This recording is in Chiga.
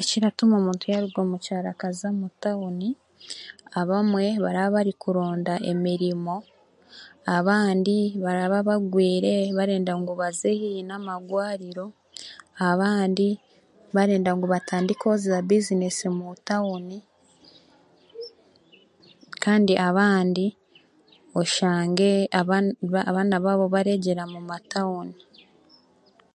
Ekiratuma omuntu yaaruga omu kyaro akaza omu tawuni, abambwe baraaronda emirimo abandi baraba bagwire benda ngu baze haihi n'amarwariro abandi barenda ngu batandikeho za buzineesi mu tawuni kandi abandi oshange abana abaana baabo baregyera mu matawuni